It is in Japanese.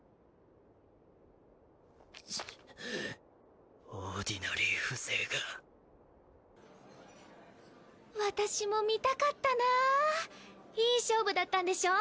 チッオーディナリー風情が私も見たかったないい勝負だったんでしょ？